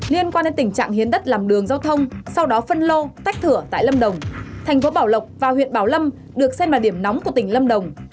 liên quan đến tình trạng hiến đất làm đường giao thông sau đó phân lô tách thửa tại lâm đồng thành phố bảo lộc và huyện bảo lâm được xem là điểm nóng của tỉnh lâm đồng